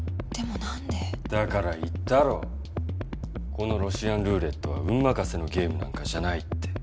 このロシアンルーレットは運任せのゲームなんかじゃないって。